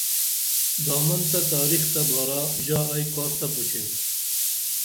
دامن تہ تاریخ تہ بارا ژا ائی کاس تہ پُچیم